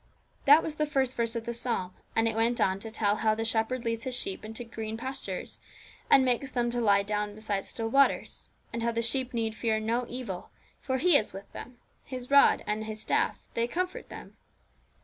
That was the first verse of the psalm; and it went on to tell how the Shepherd leads His sheep into green pastures, and makes them to lie down beside still waters; and how the sheep need fear no evil, for He is with them; His rod and His staff they comfort them.